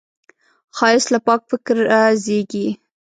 ښایست له پاک فکره زېږي